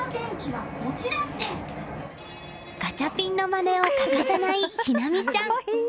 ガチャピンのまねを欠かさない、陽美ちゃん。